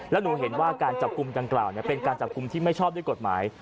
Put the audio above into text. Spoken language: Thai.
แล้วหนูเห็นว่าการจับกลุ่มดังกล่าวเป็นการจับกลุ่มที่ไม่ชอบด้วยกฎหมาย